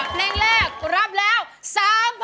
เพลงแรกรับแล้ว๓๐๐๐